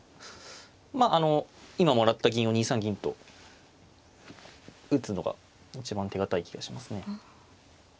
まああの今もらった銀を２三銀と打つのが一番手堅い気がしますね。